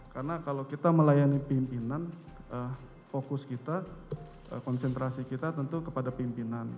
karena kalau kita melayani pimpinan fokus kita konsentrasi kita tentu kepada pimpinan